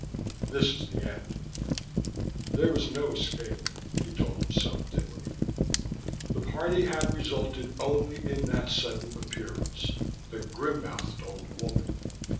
This is the end. There was no escape, he told himself dimly! The party had resulted only in that sudden appearance, the grim mouthed old woman.